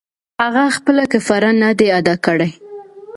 هغه خپله کفاره نه ده اداء کړې.